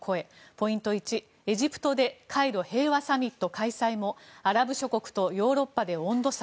ポイント１、エジプトでカイロ平和サミット開催もアラブ諸国とヨーロッパで温度差。